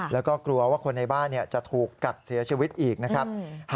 แล้วก็กลัวว่าคนในบ้านจะถูกกัดเสียชีวิตอีกนะครับ